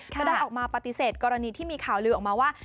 ก็ได้ออกมาปฏิเสธกรณีที่มีข่าวลือออกมาว่า